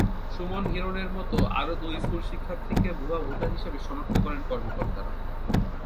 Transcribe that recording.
সুমন, হিরণের মতো আরও দুই স্কুলশিক্ষার্থীকে ভুয়া ভোটার হিসেবে শনাক্ত করেন কর্মকর্তারা।